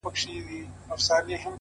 ریښتینی ځواک په ثبات کې څرګندیږي.!